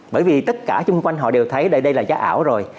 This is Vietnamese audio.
bởi vì tất cả chung quanh họ đều thấy đây là giá ảo rồi